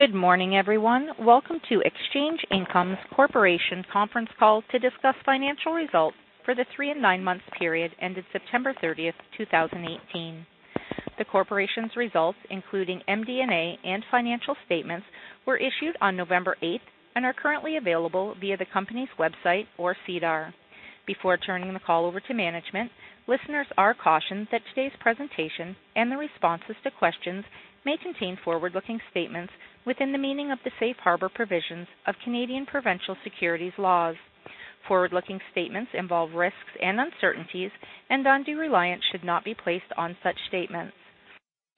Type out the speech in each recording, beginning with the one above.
Good morning, everyone. Welcome to Exchange Income Corporation conference call to discuss financial results for the three and nine months period ended September 30th, 2018. The corporation's results, including MD&A and financial statements, were issued on November 8 and are currently available via the company's website or SEDAR. Before turning the call over to management, listeners are cautioned that today's presentation and the responses to questions may contain forward-looking statements within the meaning of the safe harbor provisions of Canadian provincial securities laws. Forward-looking statements involve risks and uncertainties, and undue reliance should not be placed on such statements.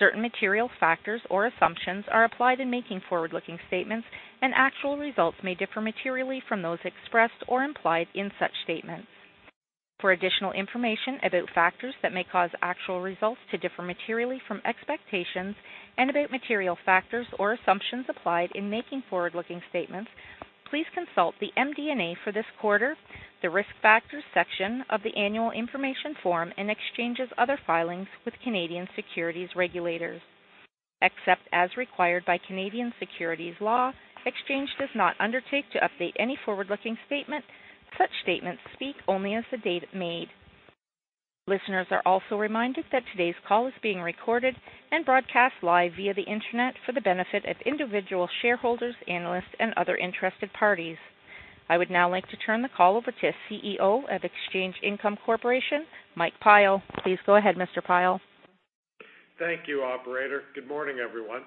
Certain material factors or assumptions are applied in making forward-looking statements, and actual results may differ materially from those expressed or implied in such statements. For additional information about factors that may cause actual results to differ materially from expectations and about material factors or assumptions applied in making forward-looking statements, please consult the MD&A for this quarter, the Risk Factors section of the Annual Information Form, and Exchange's other filings with Canadian securities regulators. Except as required by Canadian securities law, Exchange does not undertake to update any forward-looking statement. Such statements speak only as the date made. Listeners are also reminded that today's call is being recorded and broadcast live via the internet for the benefit of individual shareholders, analysts, and other interested parties. I would now like to turn the call over to CEO of Exchange Income Corporation, Mike Pyle. Please go ahead, Mr. Pyle. Thank you, operator. Good morning, everyone.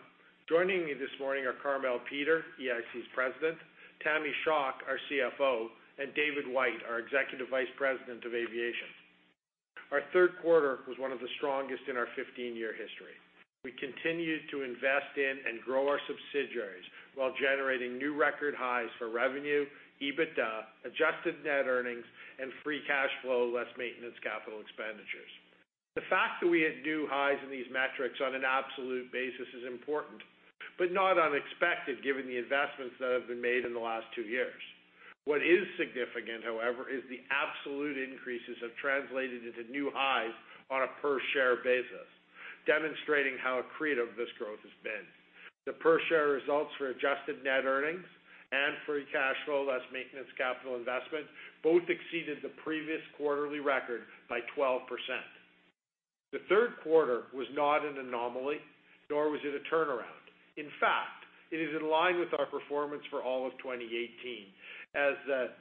Joining me this morning are Carmele Peter, EIC's President, Tammy Schock, our CFO, and David White, our Executive Vice President of Aviation. Our third quarter was one of the strongest in our 15-year history. We continued to invest in and grow our subsidiaries while generating new record highs for revenue, EBITDA, adjusted net earnings, and free cash flow, less maintenance capital expenditures. The fact that we hit new highs in these metrics on an absolute basis is important, but not unexpected given the investments that have been made in the last two years. What is significant, however, is the absolute increases have translated into new highs on a per-share basis, demonstrating how accretive this growth has been. The per-share results for adjusted net earnings and free cash flow, less maintenance capital investment, both exceeded the previous quarterly record by 12%. The third quarter was not an anomaly, nor was it a turnaround. In fact, it is in line with our performance for all of 2018, as the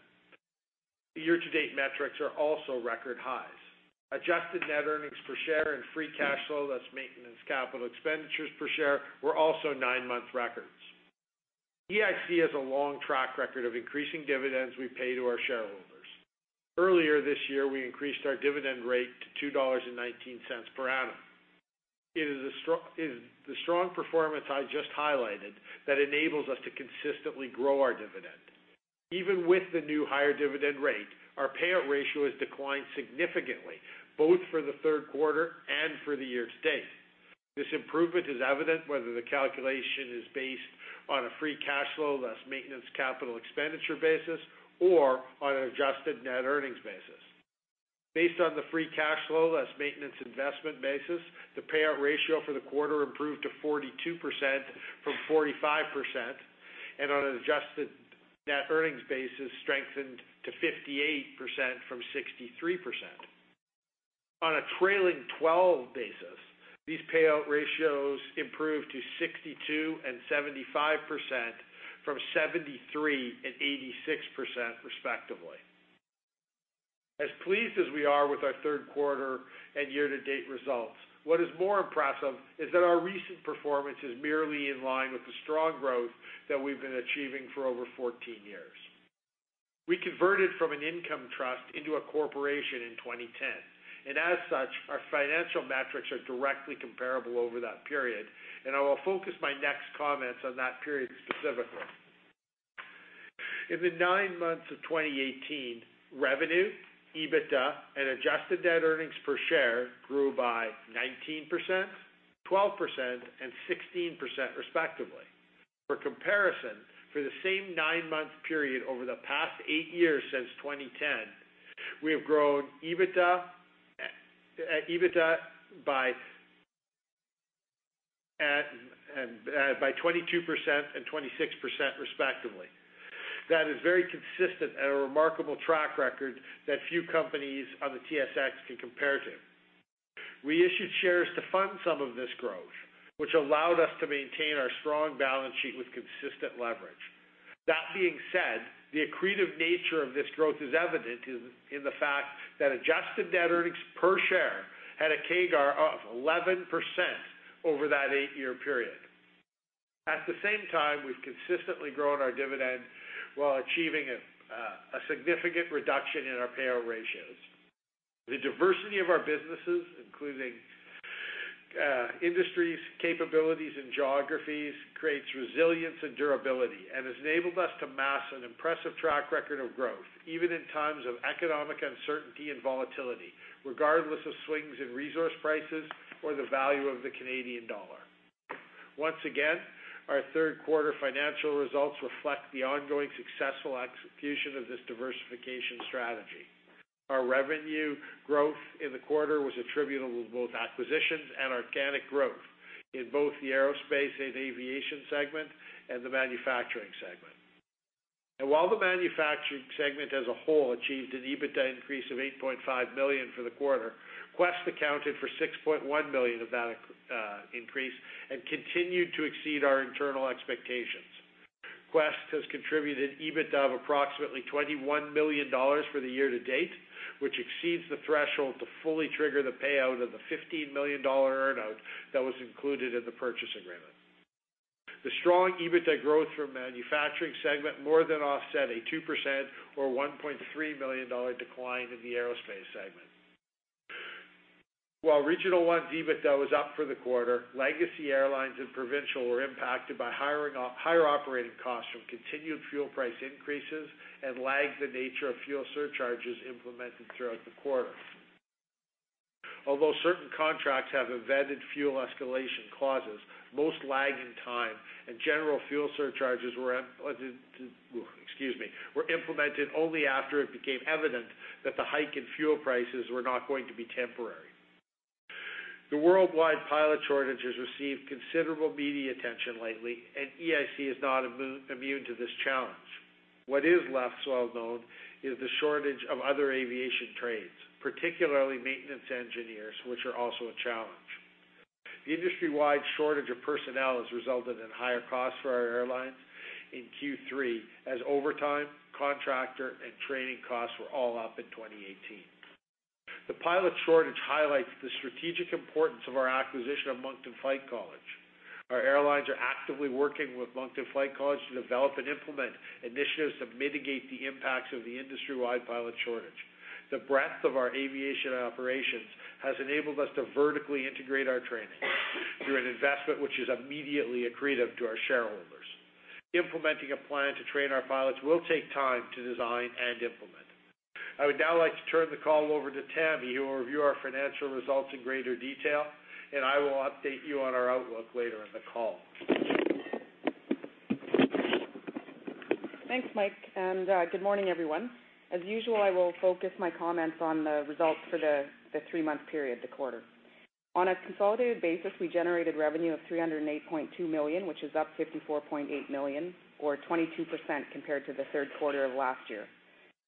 year-to-date metrics are also record highs. Adjusted net earnings per share and free cash flow, less maintenance capital expenditures per share, were also nine-month records. EIC has a long track record of increasing dividends we pay to our shareholders. Earlier this year, we increased our dividend rate to 2.19 dollars per annum. It is the strong performance I just highlighted that enables us to consistently grow our dividend. Even with the new higher dividend rate, our payout ratio has declined significantly, both for the third quarter and for the year-to-date. This improvement is evident whether the calculation is based on a free cash flow, less maintenance capital expenditure basis, or on an adjusted net earnings basis. Based on the free cash flow, less maintenance investment basis, the payout ratio for the quarter improved to 42% from 45%, and on an adjusted net earnings basis, strengthened to 58% from 63%. On a trailing 12 basis, these payout ratios improved to 62% and 75% from 73% and 86%, respectively. As pleased as we are with our third quarter and year-to-date results, what is more impressive is that our recent performance is merely in line with the strong growth that we've been achieving for over 14 years. As such, our financial metrics are directly comparable over that period, and I will focus my next comments on that period specifically. In the nine months of 2018, revenue, EBITDA, and adjusted net earnings per share grew by 19%, 12%, and 16%, respectively. For comparison, for the same nine-month period over the past eight years since 2010, we have grown EBITDA by 22% and 26%, respectively. That is very consistent and a remarkable track record that few companies on the TSX can compare to. We issued shares to fund some of this growth, which allowed us to maintain our strong balance sheet with consistent leverage. That being said, the accretive nature of this growth is evident in the fact that adjusted net earnings per share had a CAGR of 11% over that eight-year period. At the same time, we've consistently grown our dividend while achieving a significant reduction in our payout ratios. The diversity of our businesses, including industries, capabilities, and geographies, creates resilience and durability and has enabled us to amass an impressive track record of growth, even in times of economic uncertainty and volatility, regardless of swings in resource prices or the value of the Canadian dollar. Once again, our third quarter financial results reflect the ongoing successful execution of this diversification strategy. Our revenue growth in the quarter was attributable to both acquisitions and organic growth in both the Aerospace & Aviation segment and the Manufacturing segment. While the Manufacturing segment as a whole achieved an EBITDA increase of 8.5 million for the quarter, Quest accounted for 6.1 million of that increase and continued to exceed our internal expectations. Quest has contributed EBITDA of approximately 21 million dollars for the year-to-date, which exceeds the threshold to fully trigger the payout of the 15 million dollar earn-out that was included in the purchase agreement. The strong EBITDA growth from Manufacturing segment more than offset a 2% or 1.3 million dollar decline in the Aerospace segment. While Regional One's EBITDA was up for the quarter, Legacy Airlines and Provincial were impacted by higher operating costs from continued fuel price increases and lagged the nature of fuel surcharges implemented throughout the quarter. Although certain contracts have embedded fuel escalation clauses, most lag in time and general fuel surcharges were implemented only after it became evident that the hike in fuel prices were not going to be temporary. The worldwide pilot shortage has received considerable media attention lately, and EIC is not immune to this challenge. What is less well known is the shortage of other aviation trades, particularly maintenance engineers, which are also a challenge. The industry-wide shortage of personnel has resulted in higher costs for our airlines in Q3, as overtime, contractor, and training costs were all up in 2018. The pilot shortage highlights the strategic importance of our acquisition of Moncton Flight College. Our airlines are actively working with Moncton Flight College to develop and implement initiatives to mitigate the impacts of the industry-wide pilot shortage. The breadth of our aviation operations has enabled us to vertically integrate our training through an investment which is immediately accretive to our shareholders. Implementing a plan to train our pilots will take time to design and implement. I would now like to turn the call over to Tammy, who will review our financial results in greater detail, and I will update you on our outlook later in the call. Thanks, Mike, and good morning, everyone. As usual, I will focus my comments on the results for the three-month period, the quarter. On a consolidated basis, we generated revenue of 308.2 million, which is up 54.8 million or 22% compared to the third quarter of last year.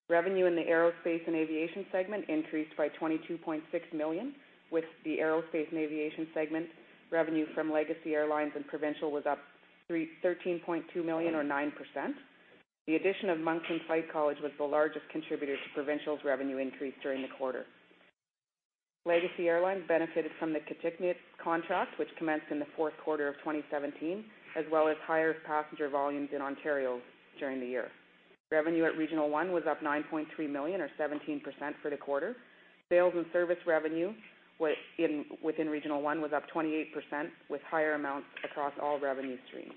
Revenue in the Aerospace & Aviation segment increased by 22.6 million, with the Aerospace & Aviation segment revenue from Legacy Airlines and Provincial was up 13.2 million or 9%. The addition of Moncton Flight College was the largest contributor to Provincial's revenue increase during the quarter. Legacy Airlines benefited from the Kitikmeot contract, which commenced in the fourth quarter of 2017, as well as higher passenger volumes in Ontario during the year. Revenue at Regional One was up 9.3 million or 17% for the quarter. Sales and service revenue within Regional One was up 28%, with higher amounts across all revenue streams.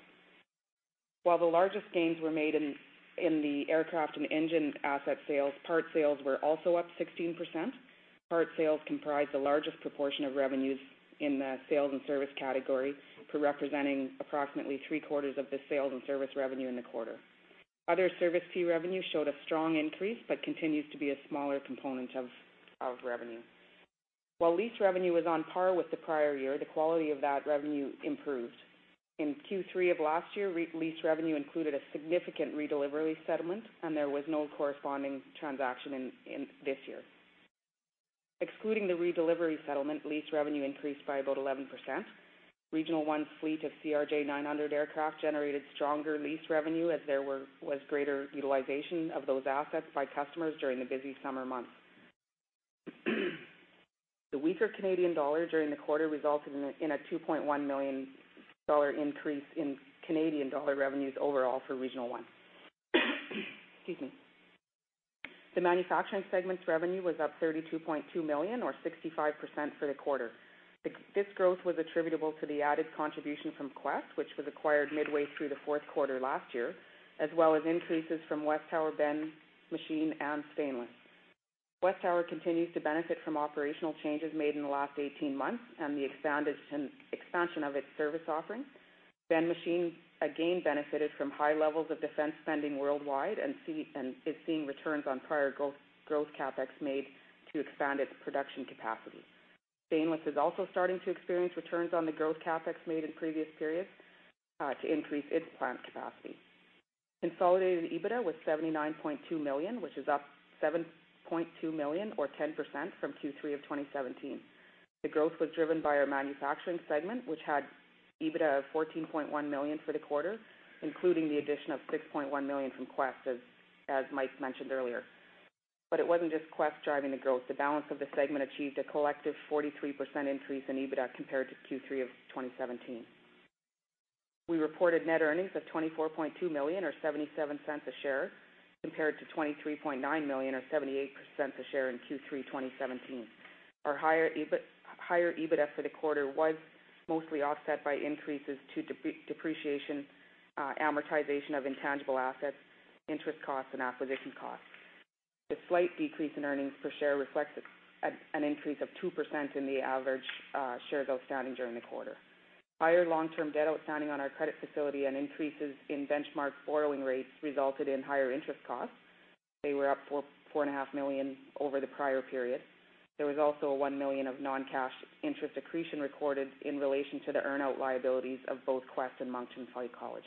While the largest gains were made in the aircraft and engine asset sales, parts sales were also up 16%. Parts sales comprise the largest proportion of revenues in the sales and service category, representing approximately three-quarters of the sales and service revenue in the quarter. Other service fee revenue showed a strong increase but continues to be a smaller component of revenue. While lease revenue was on par with the prior year, the quality of that revenue improved. In Q3 of last year, lease revenue included a significant redelivery settlement, and there was no corresponding transaction this year. Excluding the redelivery settlement, lease revenue increased by about 11%. Regional One's fleet of CRJ900 aircraft generated stronger lease revenue as there was greater utilization of those assets by customers during the busy summer months. The weaker Canadian dollar during the quarter resulted in a 2.1 million dollar increase in Canadian dollar revenues overall for Regional One. Excuse me. The Manufacturing segment's revenue was up 32.2 million or 65% for the quarter. This growth was attributable to the added contribution from Quest, which was acquired midway through the fourth quarter last year, as well as increases from WesTower, Ben Machine, and Stainless. WesTower continues to benefit from operational changes made in the last 18 months and the expansion of its service offerings. Ben Machine again benefited from high levels of defense spending worldwide and is seeing returns on prior growth CapEx made to expand its production capacity. Stainless is also starting to experience returns on the growth CapEx made in previous periods to increase its plant capacity. Consolidated EBITDA was 79.2 million, which is up 7.2 million or 10% from Q3 of 2017. The growth was driven by our Manufacturing segment, which had EBITDA of 14.1 million for the quarter, including the addition of 6.1 million from Quest, as Mike mentioned earlier. It wasn't just Quest driving the growth. The balance of the segment achieved a collective 43% increase in EBITDA compared to Q3 of 2017. We reported net earnings of 24.2 million or 0.77 a share, compared to 23.9 million or 0.78 a share in Q3 2017. Our higher EBITDA for the quarter was mostly offset by increases to depreciation, amortization of intangible assets, interest costs, and acquisition costs. The slight decrease in earnings per share reflects an increase of 2% in the average shares outstanding during the quarter. Higher long-term debt outstanding on our credit facility and increases in benchmark borrowing rates resulted in higher interest costs. They were up for 4.5 million over the prior period. There was also a 1 million of non-cash interest accretion recorded in relation to the earnout liabilities of both Quest and Moncton Flight College.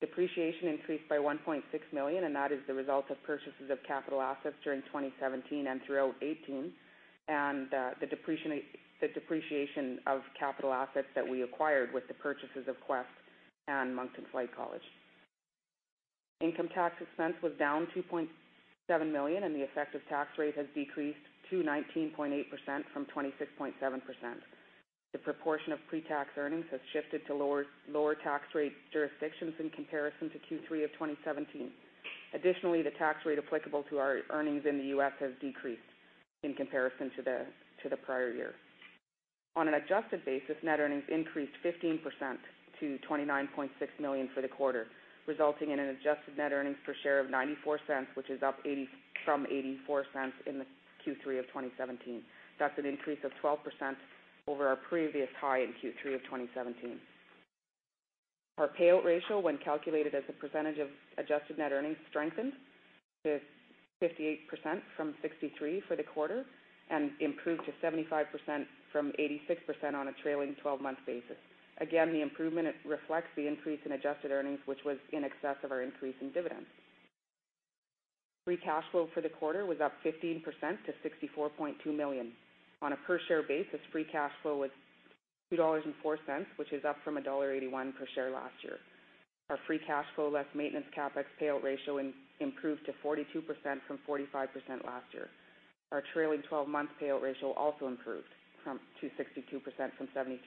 Depreciation increased by 1.6 million, and that is the result of purchases of capital assets during 2017 and throughout 2018, and the depreciation of capital assets that we acquired with the purchases of Quest and Moncton Flight College. Income tax expense was down 2.7 million, and the effective tax rate has decreased to 19.8% from 26.7%. The proportion of pre-tax earnings has shifted to lower tax rate jurisdictions in comparison to Q3 of 2017. Additionally, the tax rate applicable to our earnings in the U.S. has decreased in comparison to the prior year. On an adjusted basis, net earnings increased 15% to 29.6 million for the quarter, resulting in an adjusted net earnings per share of 0.94, which is up from 0.84 in the Q3 of 2017. That's an increase of 12% over our previous high in Q3 of 2017. Our payout ratio, when calculated as a percentage of adjusted net earnings, strengthened to 58% from 63% for the quarter and improved to 75% from 86% on a trailing 12-month basis. The improvement reflects the increase in adjusted earnings, which was in excess of our increase in dividends. Free cash flow for the quarter was up 15% to 64.2 million. On a per share basis, free cash flow was 2.04, which is up from dollar 1.81 per share last year. Our free cash flow less maintenance CapEx payout ratio improved to 42% from 45% last year. Our trailing 12-month payout ratio also improved to 62% from 73%.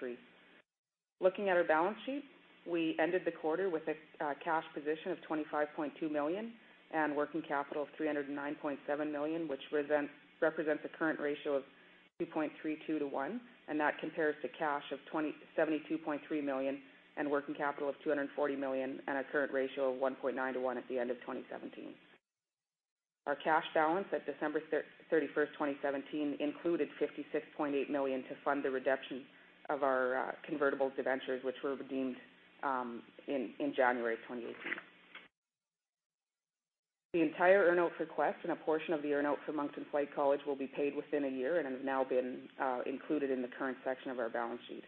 Looking at our balance sheet, we ended the quarter with a cash position of 25.2 million and working capital of 309.7 million, which represents a current ratio of 2.32:1, and that compares to cash of 72.3 million and working capital of 240 million and a current ratio of 1.9:1 at the end of 2017. Our cash balance at December 31st, 2017, included 56.8 million to fund the redemption of our convertible debentures, which were redeemed in January 2018. The entire earnout for Quest and a portion of the earnout for Moncton Flight College will be paid within a year and have now been included in the current section of our balance sheet.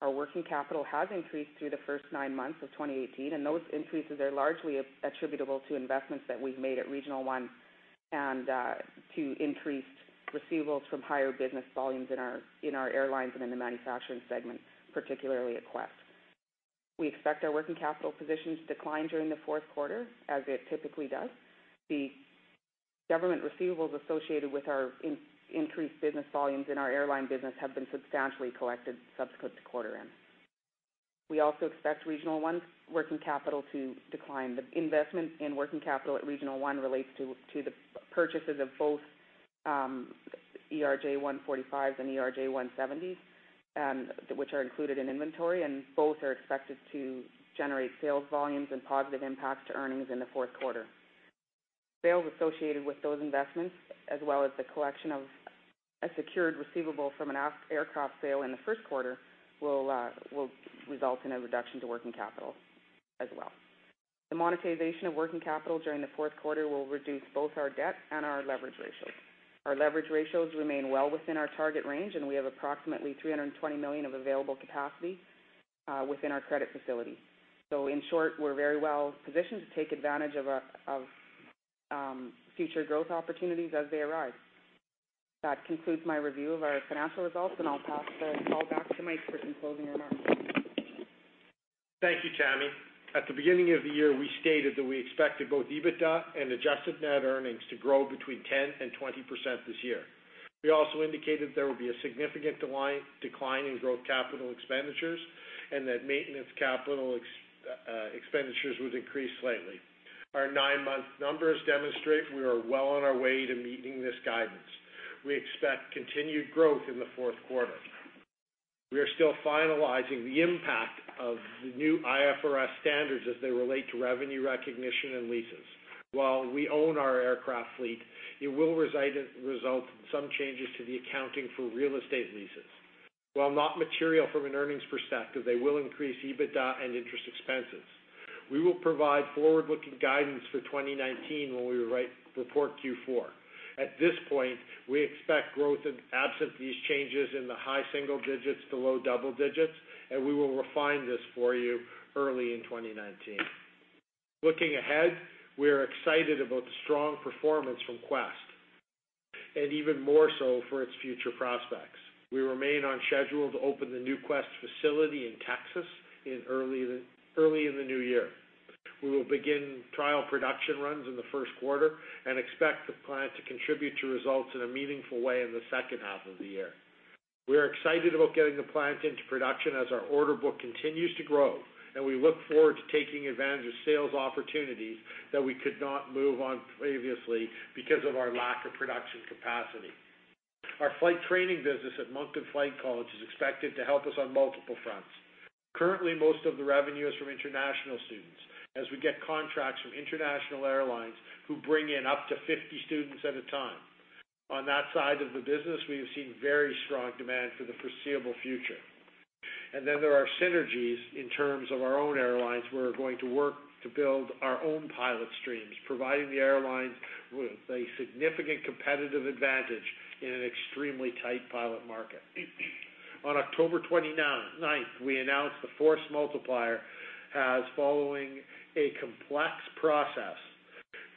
Our working capital has increased through the first nine months of 2018. Those increases are largely attributable to investments that we've made at Regional One and to increased receivables from higher business volumes in our airlines and in the Manufacturing segment, particularly at Quest. We expect our working capital position to decline during the fourth quarter, as it typically does. The government receivables associated with our increased business volumes in our airline business have been substantially collected subsequent to quarter end. We also expect Regional One's working capital to decline. Investment in working capital at Regional One relates to the purchases of both ERJ-145s and ERJ-170s, which are included in inventory, and both are expected to generate sales volumes and positive impacts to earnings in the fourth quarter. Sales associated with those investments, as well as the collection of a secured receivable from an aircraft sale in the first quarter, will result in a reduction to working capital as well. The monetization of working capital during the fourth quarter will reduce both our debt and our leverage ratios. Our leverage ratios remain well within our target range, and we have approximately 320 million of available capacity within our credit facility. In short, we're very well positioned to take advantage of future growth opportunities as they arise. That concludes my review of our financial results, and I'll pass the call back to Mike for some closing remarks. Thank you, Tammy. At the beginning of the year, we stated that we expected both EBITDA and adjusted net earnings to grow between 10%-20% this year. We also indicated there would be a significant decline in growth capital expenditures and that maintenance capital expenditures would increase slightly. Our nine-month numbers demonstrate we are well on our way to meeting this guidance. We expect continued growth in the fourth quarter. We are still finalizing the impact of the new IFRS standards as they relate to revenue recognition and leases. While we own our aircraft fleet, it will result in some changes to the accounting for real estate leases. While not material from an earnings perspective, they will increase EBITDA and interest expenses. We will provide forward-looking guidance for 2019 when we report Q4. At this point, we expect growth absent these changes in the high single-digits to low double-digits. We will refine this for you early in 2019. Looking ahead, we are excited about the strong performance from Quest and even more so for its future prospects. We remain on schedule to open the new Quest facility in Texas early in the new year. We will begin trial production runs in the first quarter and expect the plant to contribute to results in a meaningful way in the second half of the year. We are excited about getting the plant into production as our order book continues to grow, and we look forward to taking advantage of sales opportunities that we could not move on previously because of our lack of production capacity. Our flight training business at Moncton Flight College is expected to help us on multiple fronts. Currently, most of the revenue is from international students as we get contracts from international airlines who bring in up to 50 students at a time. On that side of the business, we have seen very strong demand for the foreseeable future. There are synergies in terms of our own airlines. We're going to work to build our own pilot streams, providing the airlines with a significant competitive advantage in an extremely tight pilot market. On October 29th, we announced the Force Multiplier as following a complex process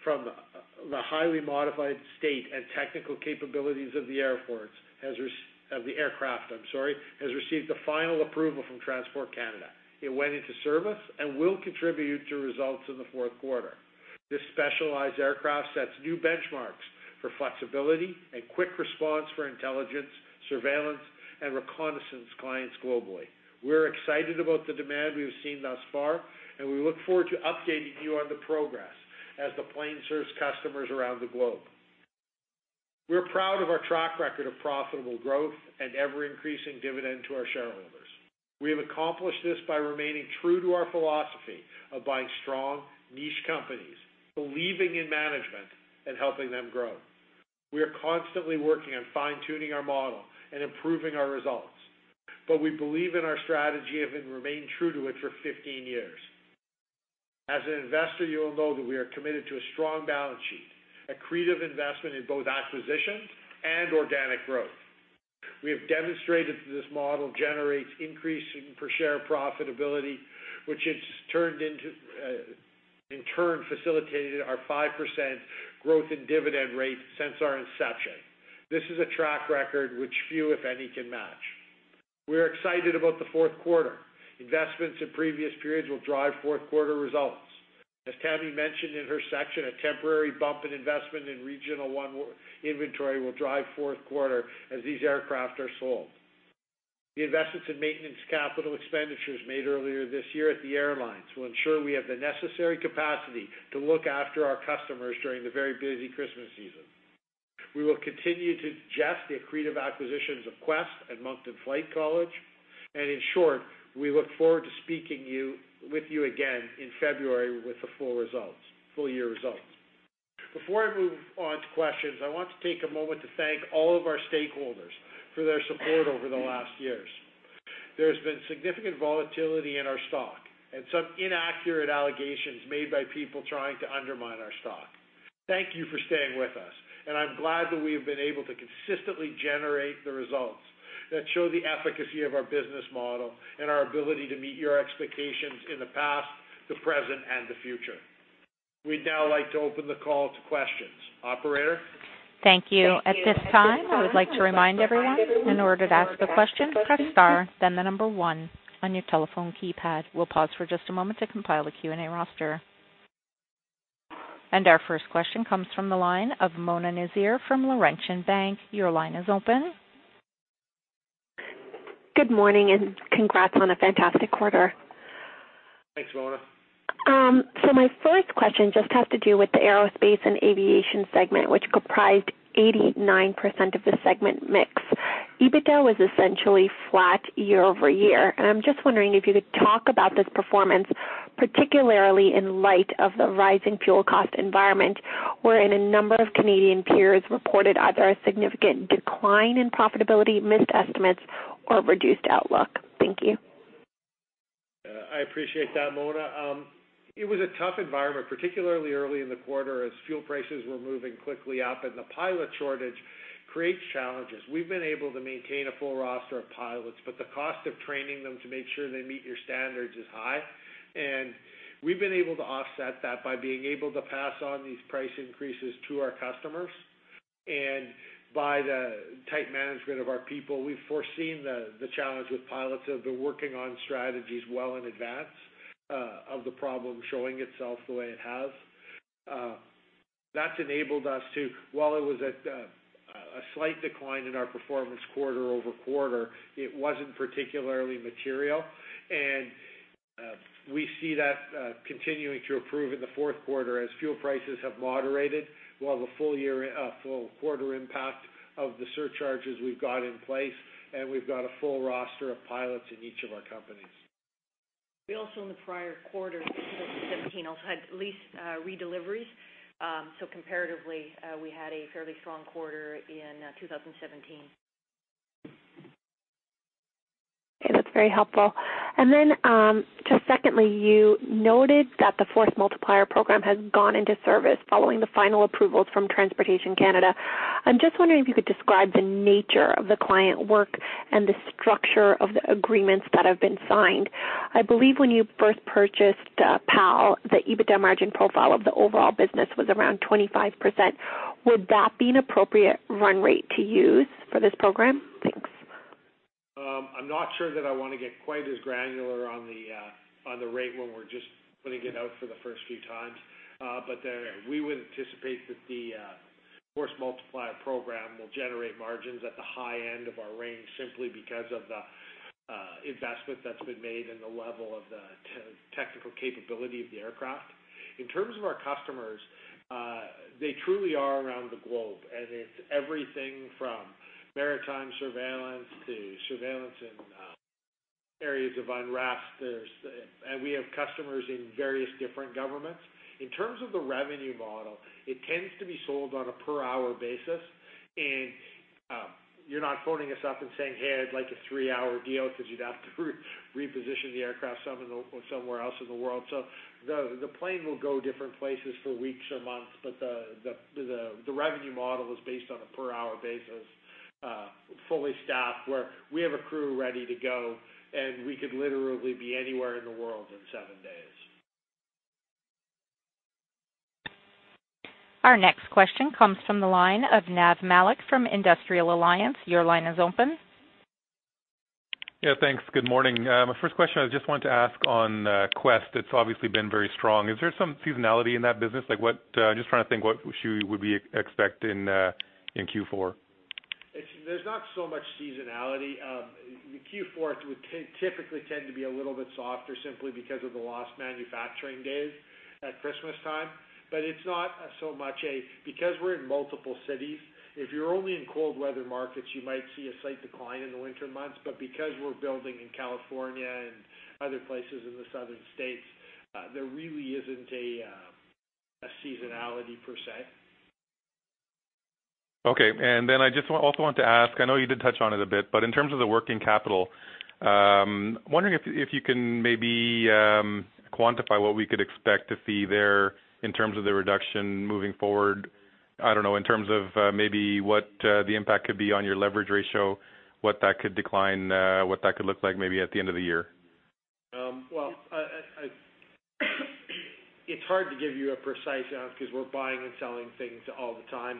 from the highly modified state and technical capabilities of the aircraft, has received the final approval from Transport Canada. It went into service and will contribute to results in the fourth quarter. This specialized aircraft sets new benchmarks for flexibility and quick response for intelligence, surveillance, and reconnaissance clients globally. We're excited about the demand we have seen thus far, and we look forward to updating you on the progress as the plane serves customers around the globe. We're proud of our track record of profitable growth and ever-increasing dividend to our shareholders. We have accomplished this by remaining true to our philosophy of buying strong, niche companies, believing in management, and helping them grow. We are constantly working on fine-tuning our model and improving our results, but we believe in our strategy and have remained true to it for 15 years. As an investor, you will know that we are committed to a strong balance sheet, accretive investment in both acquisitions and organic growth. We have demonstrated that this model generates increasing per-share profitability, which has in turn facilitated our 5% growth in dividend rate since our inception. This is a track record which few, if any, can match. We're excited about the fourth quarter. Investments in previous periods will drive fourth quarter results. As Tammy mentioned in her section, a temporary bump in investment in Regional One inventory will drive fourth quarter as these aircraft are sold. The investments in maintenance capital expenditures made earlier this year at the airlines will ensure we have the necessary capacity to look after our customers during the very busy Christmas season. We will continue to digest the accretive acquisitions of Quest and Moncton Flight College. In short, we look forward to speaking with you again in February with the full year results. Before I move on to questions, I want to take a moment to thank all of our stakeholders for their support over the last years. There has been significant volatility in our stock and some inaccurate allegations made by people trying to undermine our stock. Thank you for staying with us, and I'm glad that we have been able to consistently generate the results that show the efficacy of our business model and our ability to meet your expectations in the past, the present, and the future. We'd now like to open the call to questions. Operator? Thank you. At this time, I would like to remind everyone, in order to ask a question, press star, then the number one on your telephone keypad. We'll pause for just a moment to compile a Q&A roster. Our first question comes from the line of Mona Nazir from Laurentian Bank. Your line is open. Good morning, congrats on a fantastic quarter. Thanks, Mona. My first question just has to do with the Aerospace & Aviation segment, which comprised 89% of the segment mix. EBITDA was essentially flat year-over-year. I'm just wondering if you could talk about this performance, particularly in light of the rising fuel cost environment wherein a number of Canadian peers reported either a significant decline in profitability, missed estimates or reduced outlook. Thank you. I appreciate that, Mona. It was a tough environment, particularly early in the quarter as fuel prices were moving quickly up the pilot shortage creates challenges. We've been able to maintain a full roster of pilots, but the cost of training them to make sure they meet your standards is high. We've been able to offset that by being able to pass on these price increases to our customers and by the tight management of our people. We've foreseen the challenge with pilots, have been working on strategies well in advance of the problem showing itself the way it has. That's enabled us to, while it was at a slight decline in our performance quarter-over-quarter, it wasn't particularly material. We see that continuing to improve in the fourth quarter as fuel prices have moderated. We'll have a full quarter impact of the surcharges we've got in place, we've got a full roster of pilots in each of our companies. We also, in the prior quarter, 2017, also had lease redeliveries. Comparatively, we had a fairly strong quarter in 2017. That's very helpful. Secondly, you noted that the Force Multiplier program has gone into service following the final approvals from Transport Canada. I'm just wondering if you could describe the nature of the client work and the structure of the agreements that have been signed. I believe when you first purchased PAL, the EBITDA margin profile of the overall business was around 25%. Would that be an appropriate run rate to use for this program? Thanks. I'm not sure that I want to get quite as granular on the rate when we're just putting it out for the first few times. We would anticipate that the Force Multiplier program will generate margins at the high end of our range simply because of the investment that's been made and the technical capability of the aircraft. In terms of our customers, they truly are around the globe, and it's everything from maritime surveillance to surveillance in areas of unrest. We have customers in various different governments. In terms of the revenue model, it tends to be sold on a per hour basis, and you're not phoning us up and saying, "Hey, I'd like a three-hour deal," because you'd have to reposition the aircraft somewhere else in the world. The plane will go different places for weeks or months, but the revenue model is based on a per hour basis, fully staffed, where we have a crew ready to go, and we could literally be anywhere in the world in seven days. Our next question comes from the line of Nav Malik from Industrial Alliance. Your line is open. Yeah, thanks. Good morning. My first question, I just wanted to ask on Quest, it's obviously been very strong. Is there some seasonality in that business? I'm just trying to think what we should be expecting in Q4. There's not so much seasonality. Q4 would typically tend to be a little bit softer simply because of the lost manufacturing days at Christmas time. It's not so much. Because we're in multiple cities, if you're only in cold weather markets, you might see a slight decline in the winter months. Because we're building in California and other places in the southern states, there really isn't a seasonality per se. Okay. I just also want to ask, I know you did touch on it a bit, in terms of the working capital, I'm wondering if you can maybe quantify what we could expect to see there in terms of the reduction moving forward. I don't know, in terms of maybe what the impact could be on your leverage ratio? What that could decline? What that could look like maybe at the end of the year? Well, it's hard to give you a precise answer because we're buying and selling things all the time,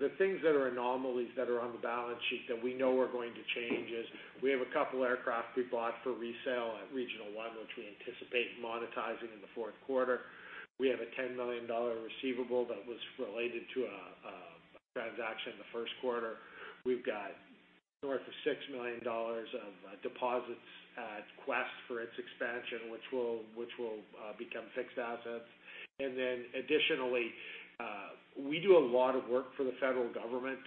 the things that are anomalies that are on the balance sheet that we know are going to change is we have a couple aircraft we bought for resale at Regional One, which we anticipate monetizing in the fourth quarter. We have a 10 million dollar receivable that was related to a transaction in the first quarter. We've got north of 6 million dollars of deposits at Quest for its expansion, which will become fixed assets. Additionally, we do a lot of work for the federal government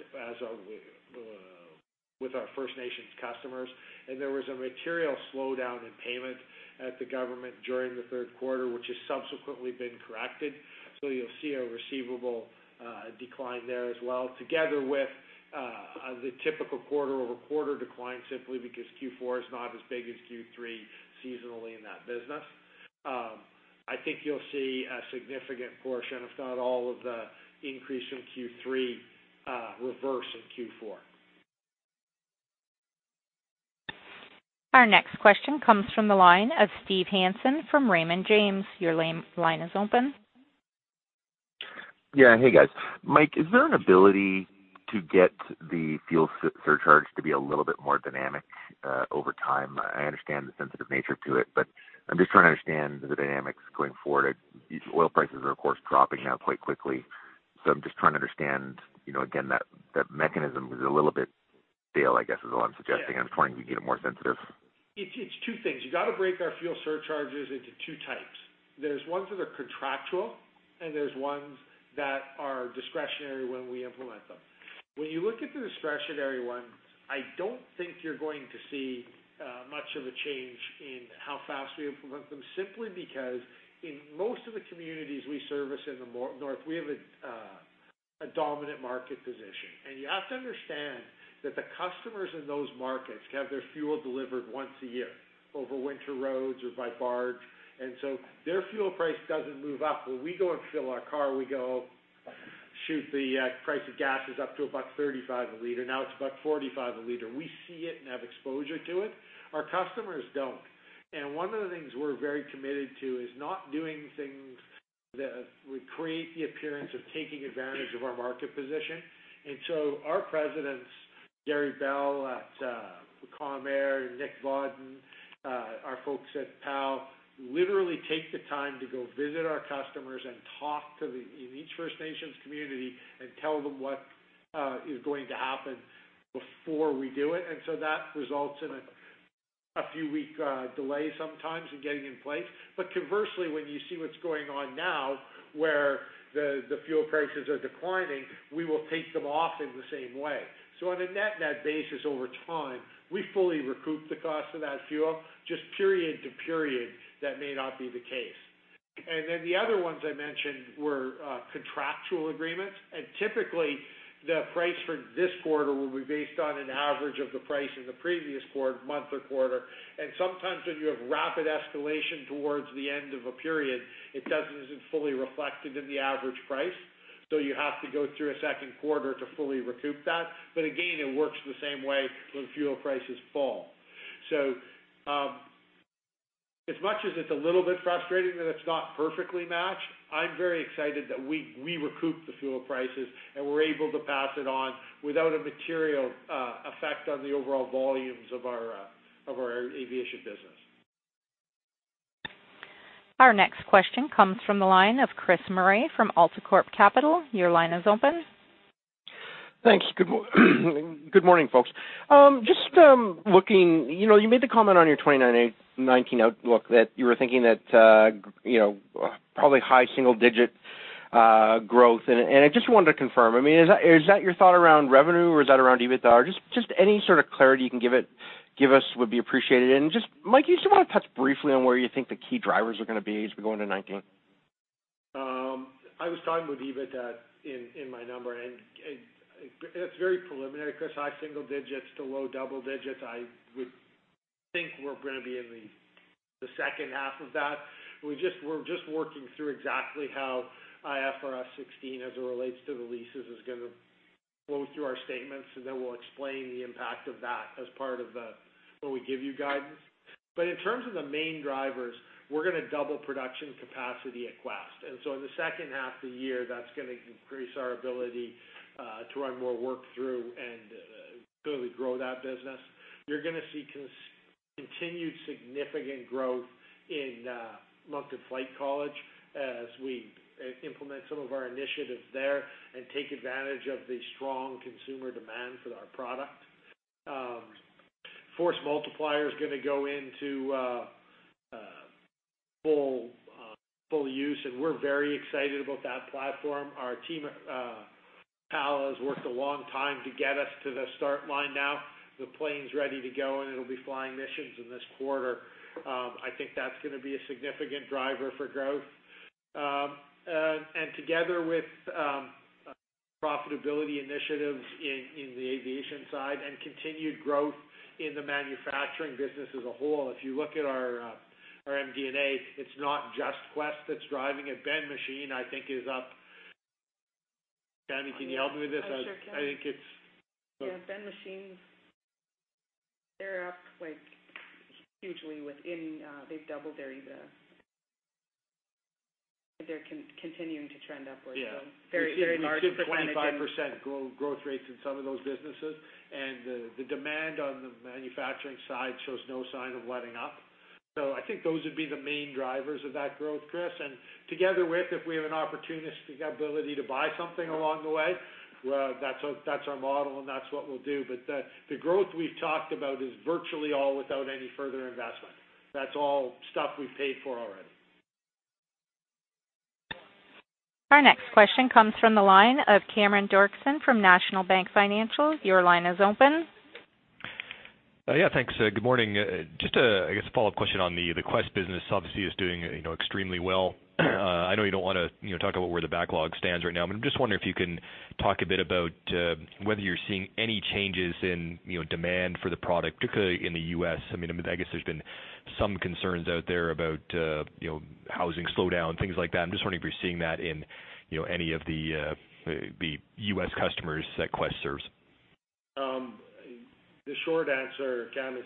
with our First Nations customers, there was a material slowdown in payment at the government during the third quarter, which has subsequently been corrected. You'll see a receivable decline there as well, together with the typical quarter-over-quarter decline, simply because Q4 is not as big as Q3 seasonally in that business. I think you'll see a significant portion, if not all of the increase in Q3 reverse in Q4. Our next question comes from the line of Steve Hansen from Raymond James. Your line is open. Yeah. Hey, guys. Mike, is there an ability to get the fuel surcharge to be a little bit more dynamic over time? I understand the sensitive nature to it, but I'm just trying to understand the dynamics going forward. These oil prices are, of course, dropping now quite quickly. I'm just trying to understand again, that mechanism is a little bit stale, I guess, is all I'm suggesting. I'm just wondering if you can get it more sensitive. It's two things. You got to break our fuel surcharges into two types. There's ones that are contractual and there's ones that are discretionary when we implement them. When you look at the discretionary ones, I don't think you're going to see much of a change in how fast we implement them, simply because in most of the communities we service in the North, we have a dominant market position. You have to understand that the customers in those markets have their fuel delivered once a year over winter roads or by barge, and so their fuel price doesn't move up. When we go and fill our car, we go, shoot, the price of gas is up to 1.35 a liter. Now it's 1.45 a liter. We see it and have exposure to it, our customers don't. One of the things we're very committed to is not doing things that would create the appearance of taking advantage of our market position. Our Presidents, Gary Bell at Calm Air, and Nick Vaudin, our folks at PAL, literally take the time to go visit our customers and talk in each First Nations community and tell them what is going to happen before we do it. That results in a few week delay sometimes in getting in place. Conversely, when you see what's going on now where the fuel prices are declining, we will take them off in the same way. On a net-net basis over time, we fully recoup the cost of that fuel. Just period to period, that may not be the case. The other ones I mentioned were contractual agreements. Typically, the price for this quarter will be based on an average of the price in the previous month or quarter. Sometimes when you have rapid escalation towards the end of a period, it doesn't fully reflect it in the average price. You have to go through a second quarter to fully recoup that. Again, it works the same way when fuel prices fall. As much as it's a little bit frustrating that it's not perfectly matched, I'm very excited that we recoup the fuel prices and we're able to pass it on without a material effect on the overall volumes of our Aviation business. Our next question comes from the line of Chris Murray from AltaCorp Capital. Your line is open. Thanks. Good morning, folks. Just looking, you made the comment on your 2019 outlook that you were thinking that probably high single-digit growth, I just wanted to confirm, I mean, is that your thought around revenue, or is that around EBITDA? Just any sort of clarity you can give us would be appreciated. Just, Mike, you want to touch briefly on where you think the key drivers are going to be as we go into 2019? I was talking with EBITDA in my number. It's very preliminary, Chris, high single-digits to low double-digits. I would think we're going to be in the second half of that. We're just working through exactly how IFRS 16 as it relates to the leases is going to flow through our statements, then we'll explain the impact of that as part of when we give you guidance. In terms of the main drivers, we're going to double production capacity at Quest. In the second half of the year, that's going to increase our ability to run more work through and really grow that business. You're going to see continued significant growth in Moncton Flight College as we implement some of our initiatives there and take advantage of the strong consumer demand for our product. Force Multiplier is going to go into full use. We're very excited about that platform. Our team at PAL has worked a long time to get us to the start line now. The plane's ready to go, it'll be flying missions in this quarter. I think that's going to be a significant driver for growth. Together with profitability initiatives in the Aviation side and continued growth in the Manufacturing business as a whole, if you look at our MD&A, it's not just Quest that's driving it. Ben Machine, I think is up. Tammy, can you help me with this? I sure can. I think it's— Ben Machine, they're up hugely. They've doubled their EBITDA. They're continuing to trend upwards. We've seen 25% growth rates in some of those businesses. The demand on the Manufacturing side shows no sign of letting up. I think those would be the main drivers of that growth, Chris. Together with if we have an opportunistic ability to buy something along the way, that's our model, and that's what we'll do. The growth we've talked about is virtually all without any further investment. That's all stuff we've paid for already. Our next question comes from the line of Cameron Doerksen from National Bank Financial. Your line is open. Yeah, thanks. Good morning. Just a, I guess, follow-up question on the Quest business, obviously is doing extremely well. I know you don't want to talk about where the backlog stands right now. I'm just wondering if you can talk a bit about whether you're seeing any changes in demand for the product, particularly in the U.S. I mean, I guess there's been some concerns out there about housing slowdown, things like that. I'm just wondering if you're seeing that in any of the U.S. customers that Quest serves. The short answer, Cameron,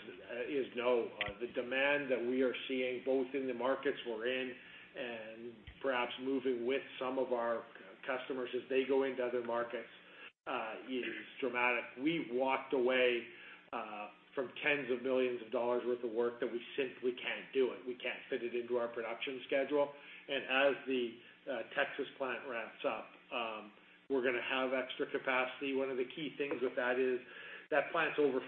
is no. The demand that we are seeing both in the markets we're in and perhaps moving with some of our customers as they go into other markets is dramatic. We walked away from tens of millions of dollars worth of work that we simply can't do it. We can't fit it into our production schedule. As the Texas plant ramps up, we're going to have extra capacity. One of the key things with that is that plant's over 50%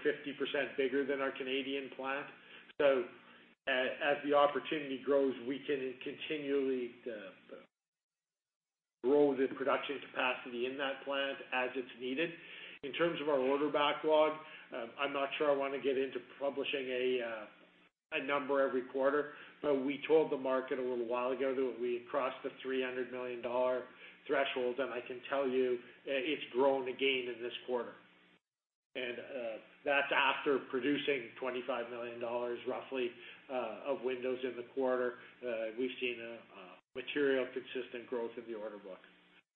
bigger than our Canadian plant. As the opportunity grows, we can continually grow the production capacity in that plant as it's needed. In terms of our order backlog, I'm not sure I want to get into publishing a number every quarter, but we told the market a little while ago that we had crossed the 300 million dollar threshold, and I can tell you it's grown again in this quarter. That's after producing 25 million dollars roughly of windows in the quarter. We've seen a material consistent growth in the order book.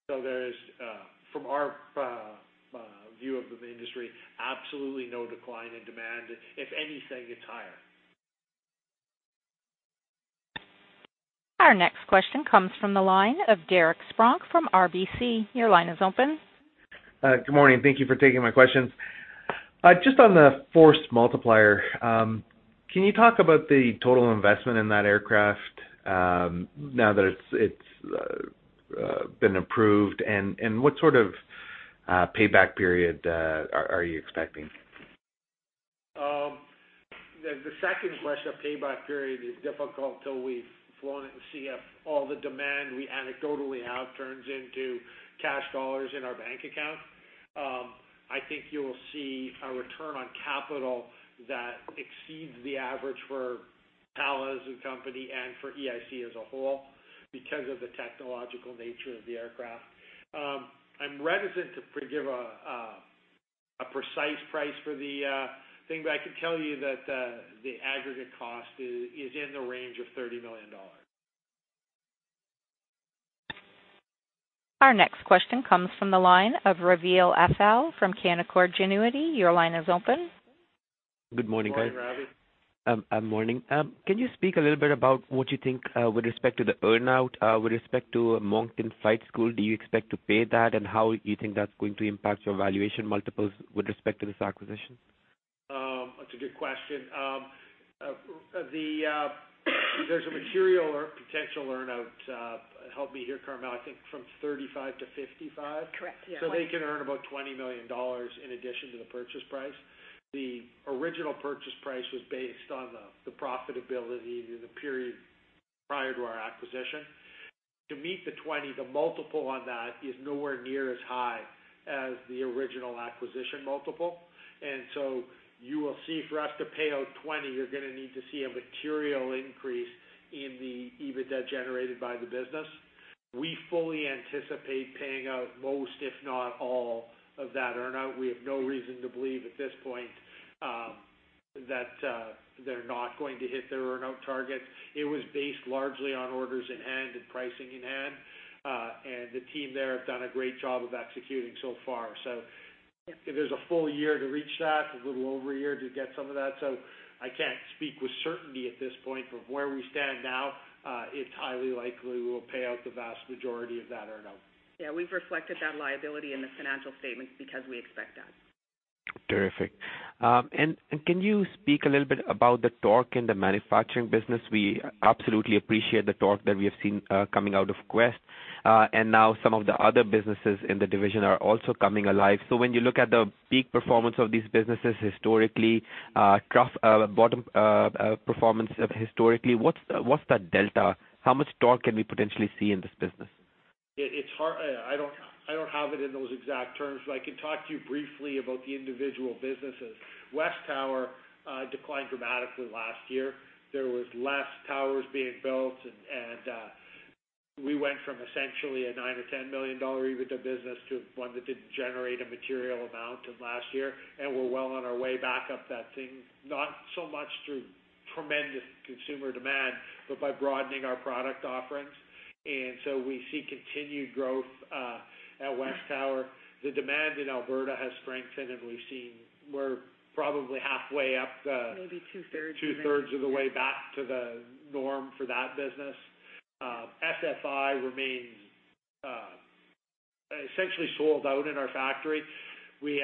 There is, from our view of the industry, absolutely no decline in demand. If anything, it's higher. Our next question comes from the line of Derek Spronck from RBC. Your line is open. Good morning. Thank you for taking my questions. Just on the Force Multiplier, can you talk about the total investment in that aircraft now that it's been approved? What sort of payback period are you expecting? The second question of payback period is difficult till we've flown it and see if all the demand we anecdotally have turns into cash dollars in our bank account. I think you will see a return on capital that exceeds the average for PAL as a company and for EIC as a whole because of the technological nature of the aircraft. I'm reticent to give a precise price for the thing, but I can tell you that the aggregate cost is in the range of 30 million dollars. Our next question comes from the line of Raveel Afzaal from Canaccord Genuity. Your line is open. Good morning, guys. Morning, Raveel. Morning. Can you speak a little bit about what you think with respect to the earn-out with respect to Moncton Flight College? Do you expect to pay that? And how you think that's going to impact your valuation multiples with respect to this acquisition? That's a good question. There's a material potential earn-out, help me here, Carmele, I think from 35 million-55 million? Correct. Yeah. They can earn about 20 million dollars in addition to the purchase price. The original purchase price was based on the profitability in the period prior to our acquisition. To meet the 20 million, the multiple on that is nowhere near as high as the original acquisition multiple. You will see for us to pay out 20 million, you're going to need to see a material increase in the EBITDA generated by the business. We fully anticipate paying out most, if not all, of that earn-out. We have no reason to believe at this point that they're not going to hit their earn-out targets. It was based largely on orders in hand and pricing in hand. The team there have done a great job of executing so far. There's a full year to reach that, a little over a year to get some of that. I can't speak with certainty at this point. Where we stand now, it's highly likely we will pay out the vast majority of that earn-out. We've reflected that liability in the financial statements because we expect that. Terrific. Can you speak a little bit about the torque in the Manufacturing business? We absolutely appreciate the torque that we have seen coming out of Quest. Now some of the other businesses in the division are also coming alive. When you look at the peak performance of these businesses historically, trough bottom performance historically, what's that delta? How much torque can we potentially see in this business? I don't have it in those exact terms, but I can talk to you briefly about the individual businesses. WesTower declined dramatically last year. There was less towers being built and we went from essentially a 9 million or 10 million dollar EBITDA business to one that didn't generate a material amount last year. We're well on our way back up that thing, not so much through tremendous consumer demand, but by broadening our product offerings. We see continued growth at WesTower. The demand in Alberta has strengthened, and we're probably halfway up the Maybe two-thirds of the way. Two-thirds of the way back to the norm for that business. FFI remains essentially sold out in our factory. We're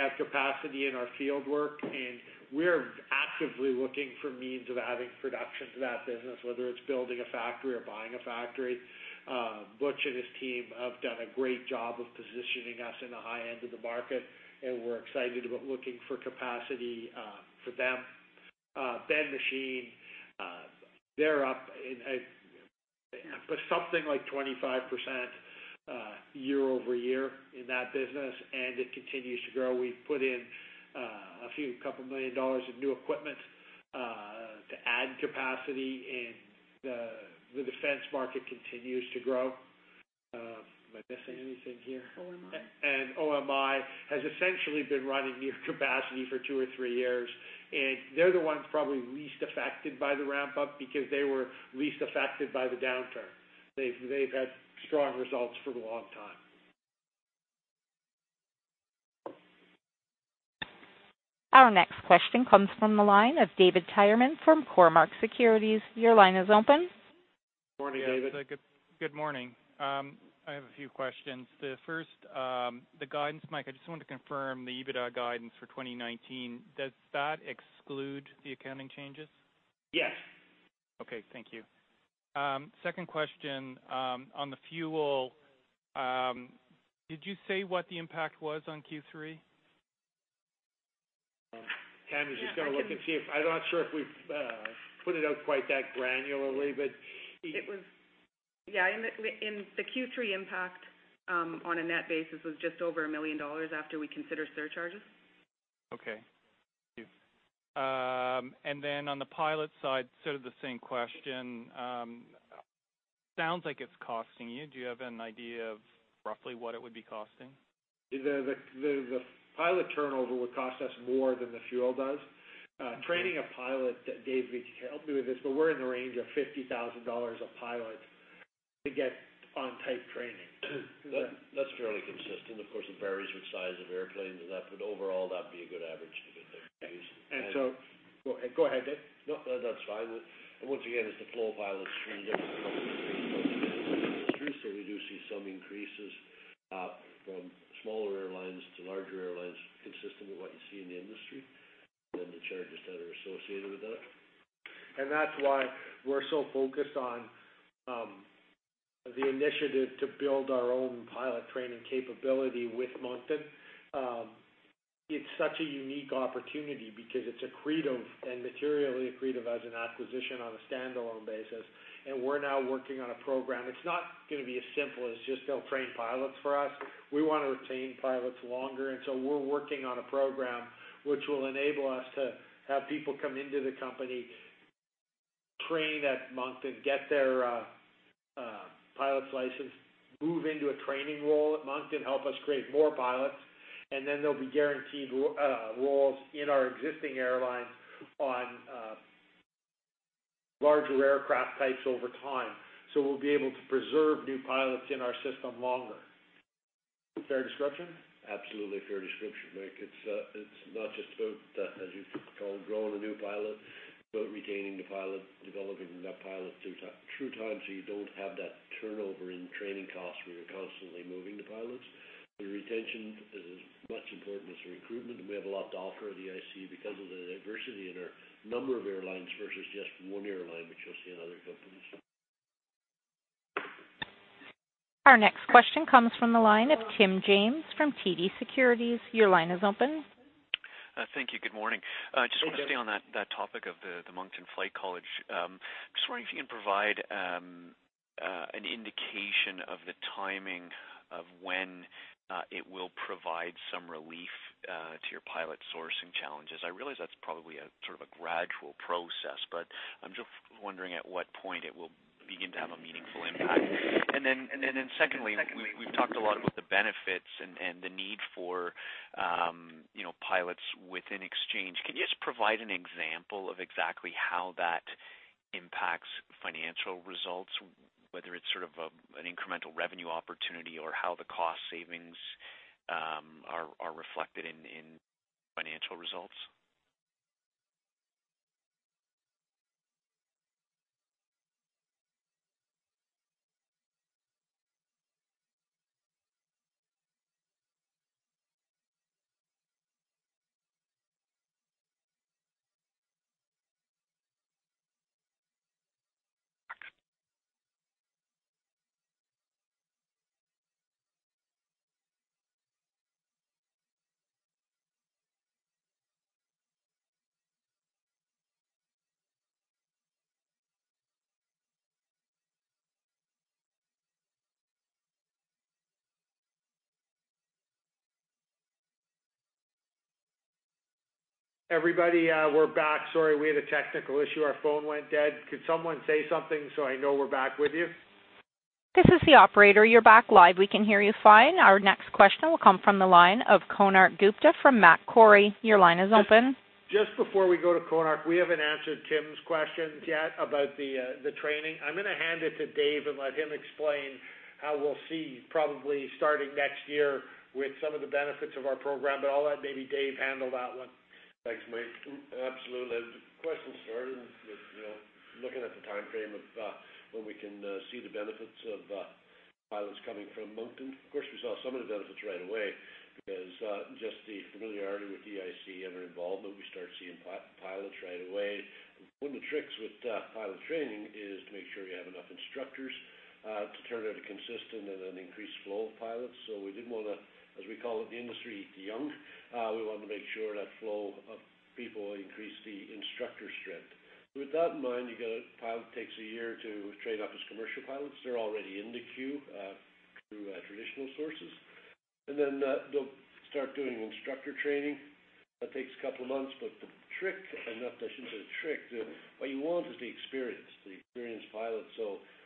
actively looking for means of adding production to that business, whether it's building a factory or buying a factory. Butch and his team have done a great job of positioning us in the high end of the market, and we're excited about looking for capacity for them. Ben Machine, they're up something like 25% year-over-year in that business. It continues to grow. We've put in a couple million dollars of new equipment to add capacity. The defense market continues to grow. Am I missing anything here? OMI. OMI has essentially been running near capacity for two or three years. They're the ones probably least affected by the ramp-up because they were least affected by the downturn. They've had strong results for a long time. Our next question comes from the line of David Tyerman from Cormark Securities. Your line is open. Morning, David. Good morning. I have a few questions. The first, the guidance, Mike, I just wanted to confirm the EBITDA guidance for 2019. Does that exclude the accounting changes? Yes. Okay. Thank you. Second question, on the fuel, did you say what the impact was on Q3? Tammy is just going to look and see. I'm not sure if we've put it out quite that granularly. Yeah, the Q3 impact on a net basis was just over 1 million dollars after we consider surcharges. Okay. Thank you. Then on the pilot side, sort of the same question. Sounds like it's costing you. Do you have an idea of roughly what it would be costing? The pilot turnover would cost us more than the fuel does. Training a pilot, Dave, help me with this, but we're in the range of 50,000 dollars a pilot to get on type training. That's fairly consistent. Of course, it varies with size of airplanes and that, overall, that'd be a good average [to give there, Dave]. And so— Go ahead, Dave. No, that's fine. Once again, as the flow pilots through. We do see some increases from smaller airlines to larger airlines consistent with what you see in the industry, then the charges that are associated with that. That's why we're so focused on the initiative to build our own pilot training capability with Moncton. It's such a unique opportunity because it's accretive and materially accretive as an acquisition on a standalone basis. We're now working on a program. It's not going to be as simple as just they'll train pilots for us. We want to retain pilots longer, and so we're working on a program which will enable us to have people come into the company, train at Moncton, get their pilot's license, move into a training role at Moncton, help us create more pilots, and then they'll be guaranteed roles in our existing airlines on larger aircraft types over time. We'll be able to preserve new pilots in our system longer. Fair description? Absolutely fair description, Mike. It's not just about, as you call, growing a new pilot. It's about retaining the pilot, developing that pilot through time so you don't have that turnover in training costs where you're constantly moving the pilots. The retention is as much important as the recruitment, and we have a lot to offer at EIC because of the diversity in our number of airlines versus just one airline, which you'll see in other companies. Our next question comes from the line of Tim James from TD Securities. Your line is open. Thank you. Good morning. Hey, Tim. I just want to stay on that topic of the Moncton Flight College. I'm just wondering if you can provide an indication of the timing of when it will provide some relief to your pilot sourcing challenges. I realize that's probably a gradual process, but I'm just wondering at what point it will begin to have a meaningful impact. Secondly, we've talked a lot about the benefits and the need for pilots within Exchange. Can you just provide an example of exactly how that impacts financial results, whether it's an incremental revenue opportunity or how the cost savings are reflected in financial results? Everybody, we're back. Sorry, we had a technical issue. Our phone went dead. Could someone say something, so I know we're back with you? This is the operator. You're back live. We can hear you fine. Our next question will come from the line of Konark Gupta from Macquarie. Your line is open. Just before we go to Konark, we haven't answered Tim's questions yet about the training. I'm going to hand it to Dave and let him explain how we'll see probably starting next year with some of the benefits of our program. I'll let maybe Dave handle that one. Thanks, Mike. Absolutely. The question started with looking at the timeframe of when we can see the benefits of pilots coming from Moncton. Of course, we saw some of the benefits right away because just the familiarity with EIC and their involvement, we start seeing pilots right away. One of the tricks with pilot training is to make sure you have enough instructors to turn out a consistent and an increased flow of pilots. We didn't want to, as we call it in the industry, young. We wanted to make sure that flow of people increased the instructor strength. With that in mind, you got a pilot takes a year to train up as commercial pilots. They're already in the queue through traditional sources. Then they'll start doing instructor training. That takes a couple of months. The trick, I shouldn't say the trick, what you want is the experience, the experienced pilots.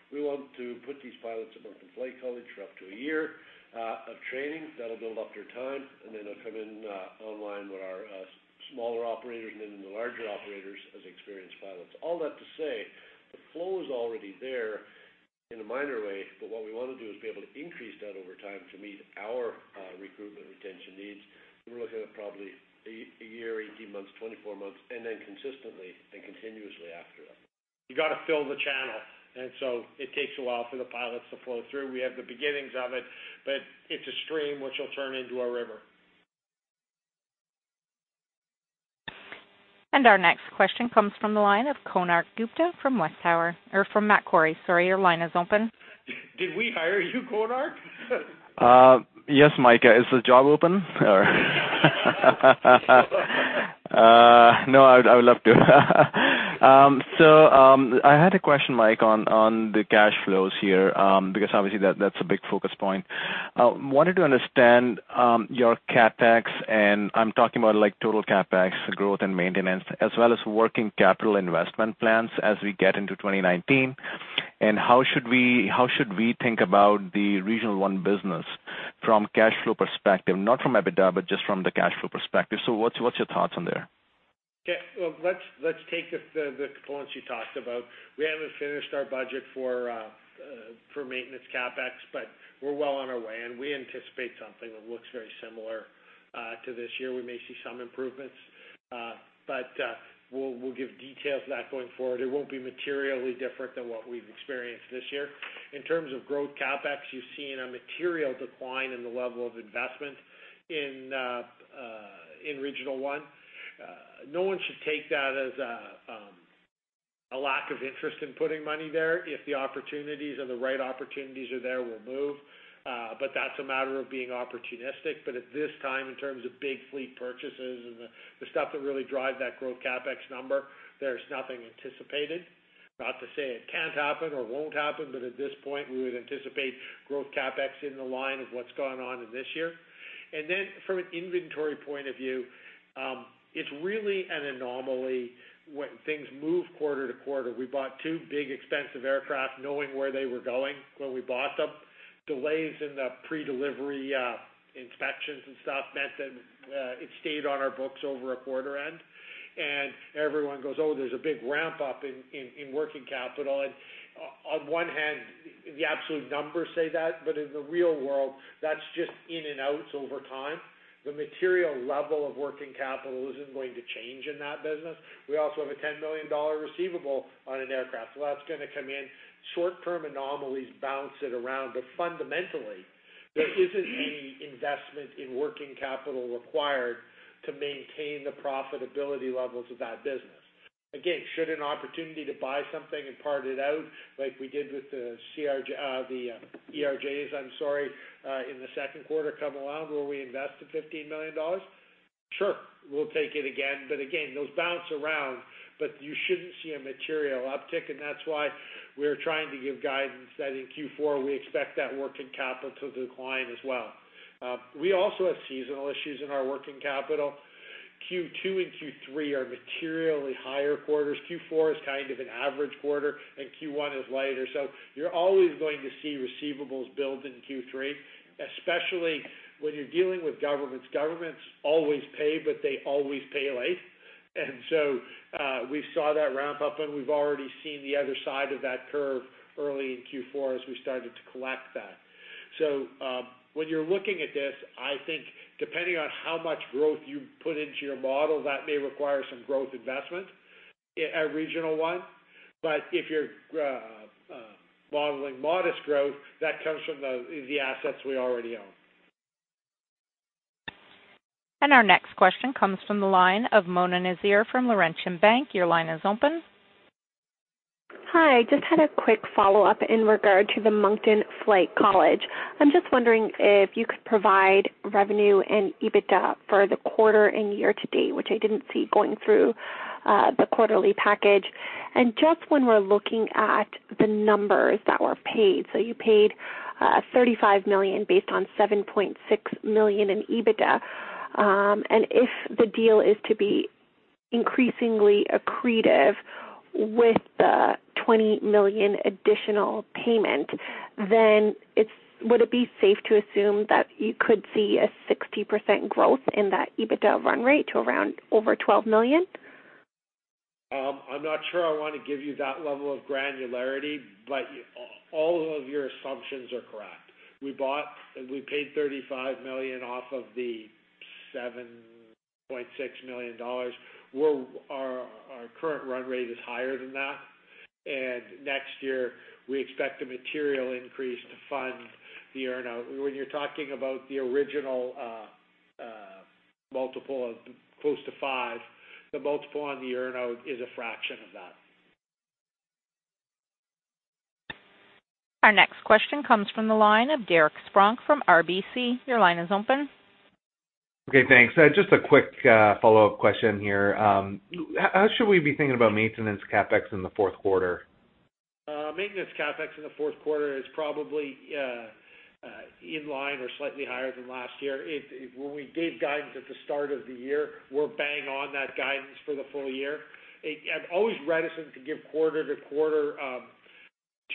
We want to put these pilots at Moncton Flight College for up to a year of training. That'll build up their time. Then they'll come in online with our smaller operators and then the larger operators as experienced pilots. All that to say, the flow is already there in a minor way. What we want to do is be able to increase that over time to meet our recruitment retention needs. We're looking at probably eight, a year, 18 months, 24 months, then consistently and continuously after that. You got to fill the channel. So it takes a while for the pilots to flow through. We have the beginnings of it. It's a stream which will turn into a river. Our next question comes from the line of Konark Gupta from WesTower or from Macquarie, sorry. Your line is open. Did we hire you, Konark? Yes, Mike. Is the job open or no, I would love to. I had a question, Mike, on the cash flows here because obviously that's a big focus point. Wanted to understand your CapEx, and I'm talking about like total CapEx growth and maintenance as well as working capital investment plans as we get into 2019, and how should we think about the Regional One business from cash flow perspective? Not from EBITDA, but just from the cash flow perspective. What's your thoughts on there? Well, let's take the components you talked about. We haven't finished our budget for maintenance CapEx, but we're well on our way, and we anticipate something that looks very similar to this year. We may see some improvements. We'll give details of that going forward. It won't be materially different than what we've experienced this year. In terms of growth CapEx, you've seen a material decline in the level of investment in Regional One. No one should take that as a lack of interest in putting money there. If the opportunities and the right opportunities are there, we'll move. That's a matter of being opportunistic. At this time, in terms of big fleet purchases and the stuff that really drive that growth CapEx number, there's nothing anticipated. Not to say it can't happen or won't happen, but at this point, we would anticipate growth CapEx in the line of what's gone on in this year. From an inventory point of view, it's really an anomaly when things move quarter to quarter. We bought two big expensive aircraft knowing where they were going when we bought them. Delays in the pre-delivery inspections and stuff meant that it stayed on our books over a quarter end. Everyone goes, "Oh, there's a big ramp-up in working capital." On one hand, the absolute numbers say that, but in the real world, that's just in and outs over time. The material level of working capital isn't going to change in that business. We also have a 10 million dollar receivable on an aircraft, that's going to come in. Short-term anomalies bounce it around, fundamentally, there isn't any investment in working capital required to maintain the profitability levels of that business. Again, should an opportunity to buy something and part it out like we did with the ERJ in the second quarter come along where we invested 15 million dollars? Sure, we'll take it again. Again, those bounce around, but you shouldn't see a material uptick, and that's why we're trying to give guidance that in Q4 we expect that working capital to decline as well. We also have seasonal issues in our working capital. Q2 and Q3 are materially higher quarters. Q4 is kind of an average quarter, and Q1 is lighter. You're always going to see receivables build in Q3, especially when you're dealing with governments. Governments always pay, but they always pay late. We saw that ramp up and we've already seen the other side of that curve early in Q4 as we started to collect that. When you're looking at this, I think depending on how much growth you put into your model, that may require some growth investment, a Regional One. If you're modeling modest growth, that comes from the assets we already own. Our next question comes from the line of Mona Nazir from Laurentian Bank. Your line is open. Hi, just had a quick follow-up in regard to the Moncton Flight College. I'm just wondering if you could provide revenue and EBITDA for the quarter and year-to-date, which I didn't see going through the quarterly package. Just when we're looking at the numbers that were paid, you paid 35 million based on 7.6 million in EBITDA. If the deal is to be increasingly accretive with the 20 million additional payment, would it be safe to assume that you could see a 60% growth in that EBITDA run rate to around over 12 million? I'm not sure I want to give you that level of granularity, but all of your assumptions are correct. We paid 35 million off of the 7.6 million dollars. Our current run rate is higher than that, and next year we expect a material increase to fund the earn-out. When you're talking about the original multiple of close to 5x, the multiple on the earn-out is a fraction of that. Our next question comes from the line of Derek Spronck from RBC. Your line is open. Okay, thanks. Just a quick follow-up question here. How should we be thinking about maintenance CapEx in the fourth quarter? Maintenance CapEx in the fourth quarter is probably in line or slightly higher than last year. When we gave guidance at the start of the year, we're bang on that guidance for the full year. I'm always reticent to give quarter to quarter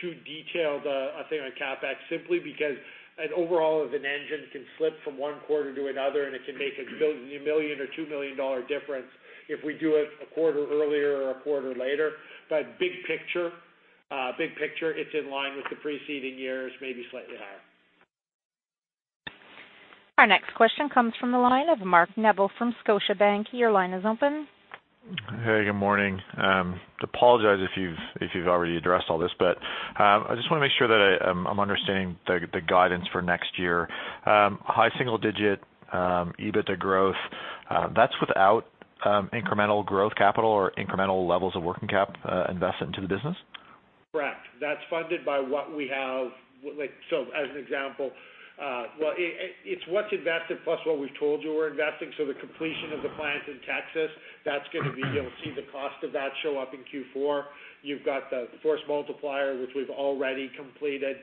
too detailed a thing on CapEx, simply because an overhaul of an engine can slip from one quarter to another, and it can make a 1 million or 2 million dollar difference if we do it a quarter earlier or a quarter later. Big picture, it's in line with the preceding years, maybe slightly higher. Our next question comes from the line of Mark Neville from Scotiabank. Your line is open. Hey, good morning. Apologize if you've already addressed all this, I just want to make sure that I'm understanding the guidance for next year. High single-digit EBITDA growth, that's without incremental growth capital or incremental levels of working capital investment into the business? Correct. That's funded by what we have. As an example, it's what's invested plus what we've told you we're investing. The completion of the plant in Texas, you'll see the cost of that show up in Q4. You've got the Force Multiplier, which we've already completed,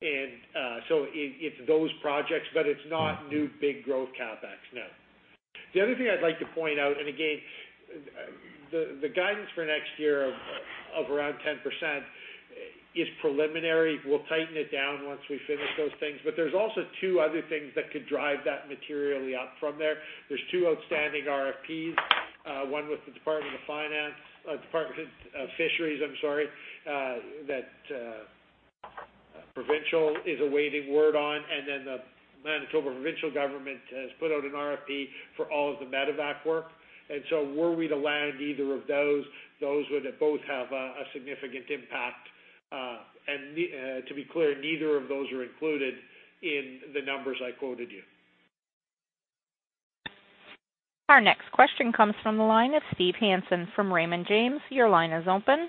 it's those projects, but it's not new big growth CapEx, no. The other thing I'd like to point out, again, the guidance for next year of around 10% is preliminary. We'll tighten it down once we finish those things. There's also two other things that could drive that materially up from there. There's two outstanding RFPs, one with the Department of Fisheries, that Provincial is awaiting word on, then the Manitoba provincial government has put out an RFP for all of the medevac work. Were we to land either of those would both have a significant impact. To be clear, neither of those are included in the numbers I quoted you. Our next question comes from the line of Steve Hansen from Raymond James. Your line is open.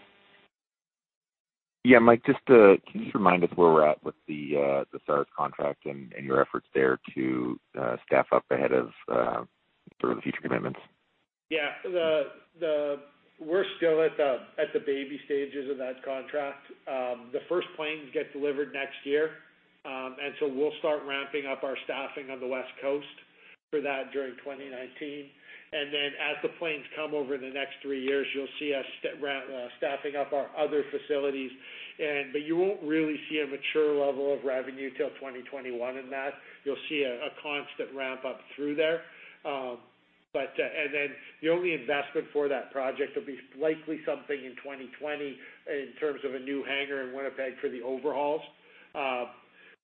Yeah, Mike, can you just remind us where we are at with the SAR contract and your efforts there to staff up ahead of the future commitments? Yeah. We are still at the baby stages of that contract. The first planes get delivered next year. We will start ramping up our staffing on the West Coast for that during 2019. As the planes come over the next three years, you will see us staffing up our other facilities. You will not really see a mature level of revenue till 2021 in that. You will see a constant ramp up through there. The only investment for that project will be likely something in 2020 in terms of a new hangar in Winnipeg for the overhauls.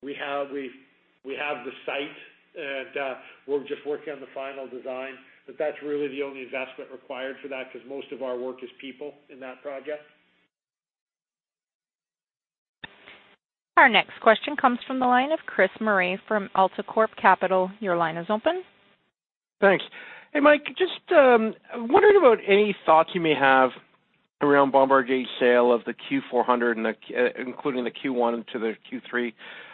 We have the site and we are just working on the final design, but that is really the only investment required for that because most of our work is people in that project. Our next question comes from the line of Chris Murray from AltaCorp Capital. Your line is open. Thanks. Hey, Mike, just wondering about any thoughts you may have around Bombardier's sale of the Q400, including the Q1 to the Q3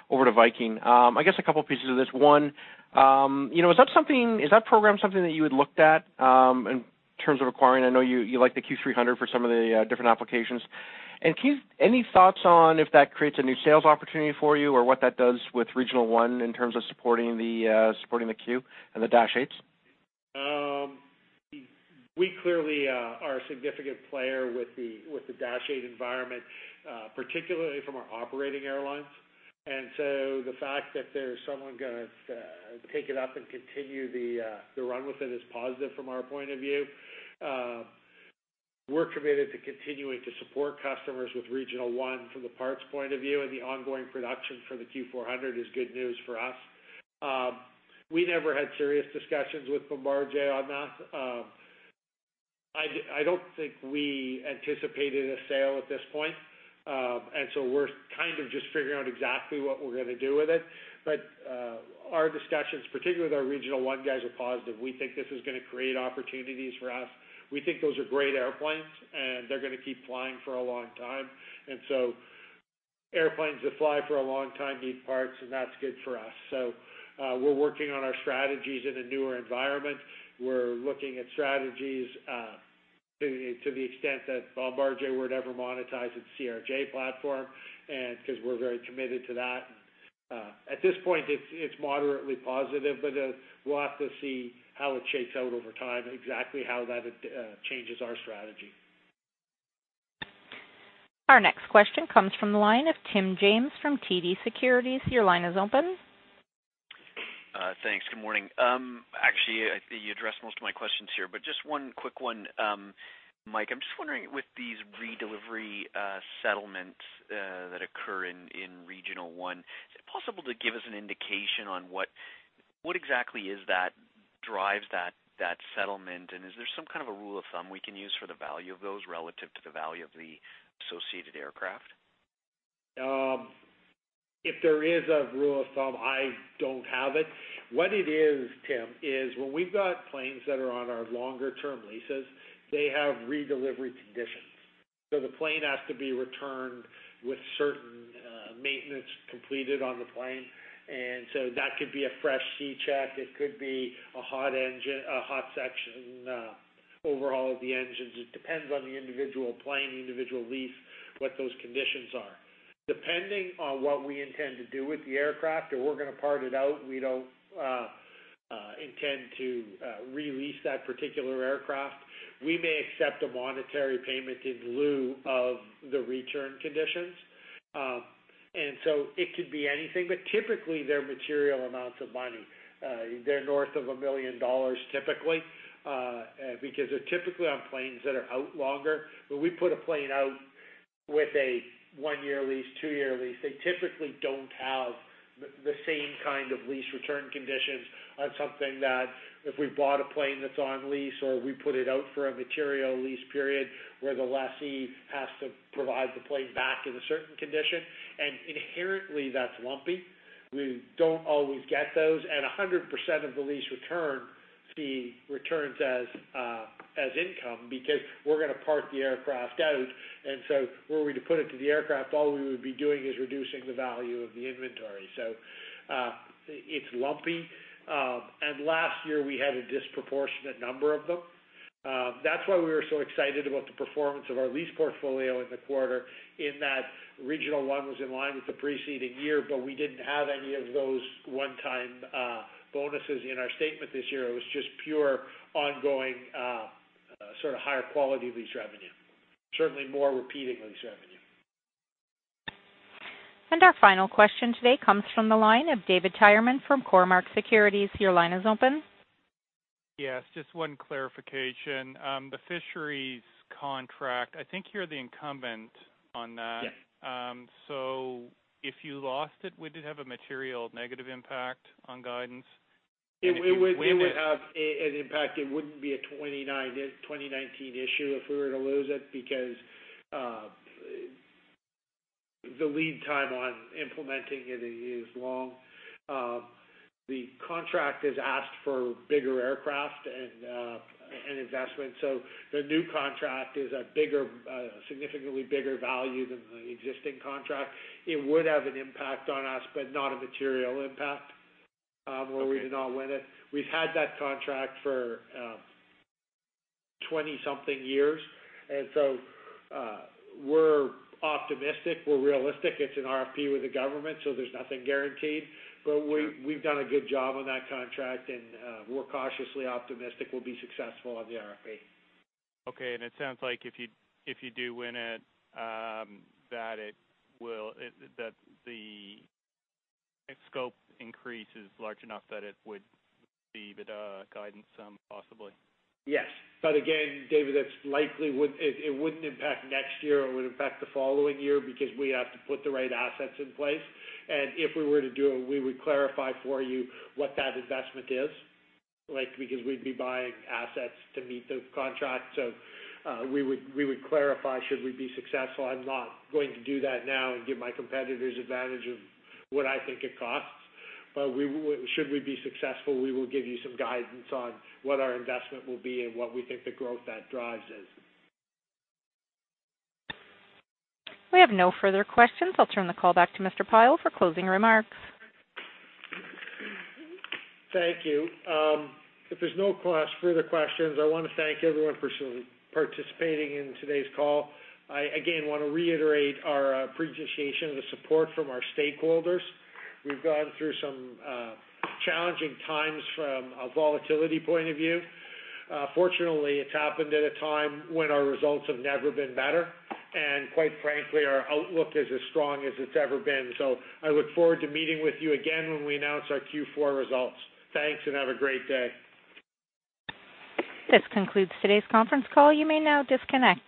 over to Viking. I guess a couple pieces of this. One, is that program something that you had looked at in terms of acquiring? I know you like the Q300 for some of the different applications. Any thoughts on if that creates a new sales opportunity for you or what that does with Regional One in terms of supporting the Q and the Dash 8s? We clearly are a significant player with the Dash 8 environment, particularly from our operating airlines. The fact that there's someone going to take it up and continue the run with it is positive from our point of view. We're committed to continuing to support customers with Regional One from the parts point of view, and the ongoing production for the Q400 is good news for us. We never had serious discussions with Bombardier on that. I don't think we anticipated a sale at this point. We're kind of just figuring out exactly what we're going to do with it. Our discussions, particularly with our Regional One guys, are positive. We think this is going to create opportunities for us. We think those are great airplanes, and they're going to keep flying for a long time. Airplanes that fly for a long time need parts, and that's good for us. We're working on our strategies in a newer environment. We're looking at strategies to the extent that Bombardier would ever monetize its CRJ platform, because we're very committed to that. At this point, it's moderately positive, but we'll have to see how it shakes out over time, exactly how that changes our strategy. Our next question comes from the line of Tim James from TD Securities. Your line is open. Thanks. Good morning. Actually, you addressed most of my questions here, but just one quick one. Mike, I am just wondering with these redelivery settlements that occur in Regional One, is it possible to give us an indication on what exactly is that drives that settlement? Is there some kind of a rule of thumb we can use for the value of those relative to the value of the associated aircraft? If there is a rule of thumb, I do not have it. What it is, Tim, is when we have got planes that are on our longer-term leases, they have redelivery conditions. The plane has to be returned with certain maintenance completed on the plane. That could be a fresh C check. It could be a hot section overhaul of the engines. It depends on the individual plane, individual lease, what those conditions are. Depending on what we intend to do with the aircraft, if we are going to part it out, we do not intend to re-lease that particular aircraft. We may accept a monetary payment in lieu of the return conditions. It could be anything, but typically they are material amounts of money. They are north of 1 million dollars typically, because they are typically on planes that are out longer. When we put a plane out with a one-year lease, two-year lease, they typically do not have the same kind of lease return conditions on something that if we bought a plane that is on lease or we put it out for a material lease period where the lessee has to provide the plane back in a certain condition. Inherently, that is lumpy. We do not always get those. 100% of the lease return fee returns as income because we are going to park the aircraft out. Were we to put it to the aircraft, all we would be doing is reducing the value of the inventory. It is lumpy. Last year, we had a disproportionate number of them. That is why we were so excited about the performance of our lease portfolio in the quarter in that Regional One was in line with the preceding year, we did not have any of those one-time bonuses in our statement this year. It was just pure ongoing sort of higher quality lease revenue, certainly more repeating lease revenue. Our final question today comes from the line of David Tyerman from Cormark Securities. Your line is open. Yes, just one clarification. The fisheries contract, I think you're the incumbent on that. Yes. If you lost it, would it have a material negative impact on guidance? If you win it— It would have an impact. It wouldn't be a 2019 issue if we were to lose it because the lead time on implementing it is long. The contract has asked for bigger aircraft and investment. The new contract is a significantly bigger value than the existing contract. It would have an impact on us, but not a material impact where we did not win it. We've had that contract for 20-something years, we're optimistic. We're realistic. It's an RFP with the government, there's nothing guaranteed. We've done a good job on that contract, and we're cautiously optimistic we'll be successful on the RFP. Okay. It sounds like if you do win it, that the scope increase is large enough that it would be the guidance sum possibly. Yes. Again, David, it wouldn't impact next year. It would impact the following year because we have to put the right assets in place. If we were to do it, we would clarify for you what that investment is like because we'd be buying assets to meet the contract. We would clarify should we be successful. I'm not going to do that now and give my competitors advantage of what I think it costs. Should we be successful, we will give you some guidance on what our investment will be and what we think the growth that drives is. We have no further questions. I'll turn the call back to Mr. Pyle for closing remarks. Thank you. If there's no further questions, I want to thank everyone for participating in today's call. I again want to reiterate our appreciation and support from our stakeholders. We've gone through some challenging times from a volatility point of view. Fortunately, it's happened at a time when our results have never been better. Quite frankly, our outlook is as strong as it's ever been. I look forward to meeting with you again when we announce our Q4 results. Thanks and have a great day. This concludes today's conference call. You may now disconnect.